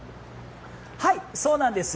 そうなんです。